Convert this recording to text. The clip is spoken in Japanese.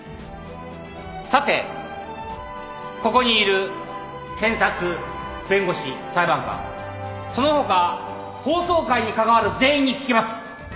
さてここにいる検察弁護士裁判官その他法曹界に関わる全員に聞きます。